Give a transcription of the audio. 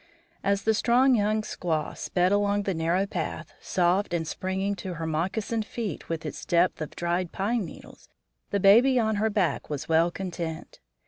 As the strong young squaw sped along the narrow path, soft and springing to her moccasined feet with its depth of dried pine needles, the baby on her back was well content.